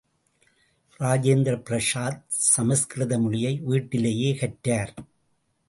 இரோஜேந்திர பிரசாத், சமஸ்கிருத மொழியை வீட்டிலேயே கற்றார்.